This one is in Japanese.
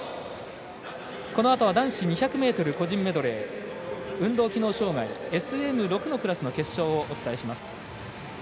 このあとは男子２００ｍ個人メドレー運動機能障がいＳＭ６の決勝を行います。